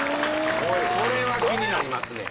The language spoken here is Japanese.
これは気になりますね